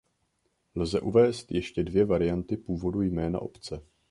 Lze uvést ještě dvě varianty původu jména obce.